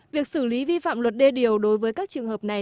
việc xử lý vi phạm luật đê điều đối với các trường hợp này